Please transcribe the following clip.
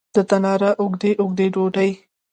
د تناره اوږدې، اوږدې ډوډۍ